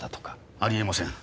ありえません。